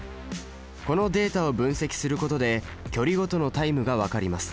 このデータを分析することで距離ごとのタイムが分かります。